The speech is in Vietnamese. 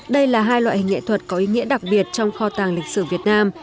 đây là hai loại hình nghệ thuật có ý nghĩa đặc biệt trong kho tàng lịch sử việt nam